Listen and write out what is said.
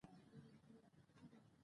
کلتور د افغانستان یوه طبیعي ځانګړتیا ده.